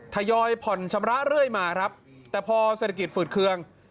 ทยอยผ่อนชำระเรื่อยมาครับแต่พอเศรษฐกิจฝืดเคือง